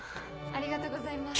ありがとうございます。